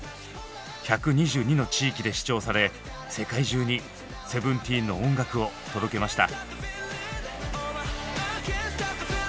１２２の地域で視聴され世界中にＳＥＶＥＮＴＥＥＮの音楽を届けました。